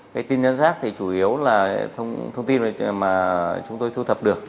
cái tin nhắn rác thì chủ yếu là thông tin mà chúng tôi thu thập được